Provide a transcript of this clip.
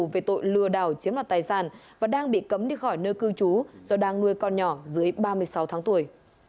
về tội lừa đảo chiếm đoạt tài sản và đang bị cấm đi khỏi nơi cư trú do đang nuôi con nhỏ dưới ba mươi sáu tháng tuổi